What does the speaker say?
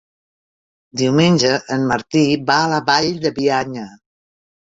Diumenge en Martí va a la Vall de Bianya.